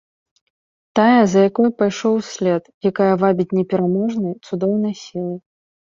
Тая, за якой пайшоў услед, якая вабіць непераможнай, цудоўнай сілай.